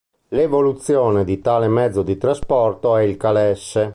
L'evoluzione di tale mezzo di trasporto è il calesse.